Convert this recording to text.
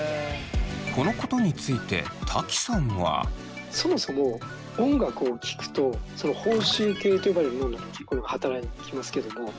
このことについて瀧さんは。そもそも音楽を聴くと報酬系と呼ばれる脳のところが働きますけども。